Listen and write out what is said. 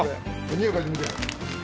におい嗅いでみて。